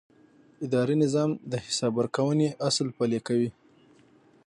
اداري نظام د حساب ورکونې اصل پلي کوي.